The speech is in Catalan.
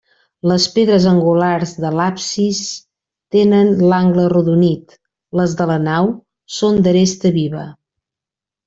Les pedres angulars de l'absis tenen l'angle arrodonit; les de la nau són d'aresta viva.